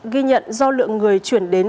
ghi nhận do lượng người chuyển đến